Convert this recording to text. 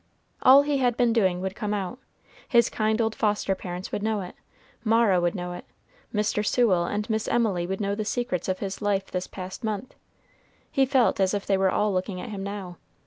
All he had been doing would come out. His kind old foster parents would know it. Mara would know it. Mr. Sewell and Miss Emily would know the secrets of his life that past month. He felt as if they were all looking at him now.